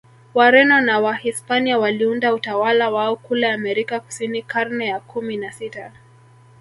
Wareno na Wahispania waliunda utawala wao kule Amerika Kusini karne ya kumi na sita